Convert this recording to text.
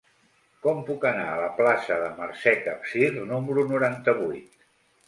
Com puc anar a la plaça de Mercè Capsir número noranta-vuit?